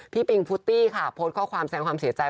ปิงพุตตี้ค่ะโพสต์ข้อความแสงความเสียใจ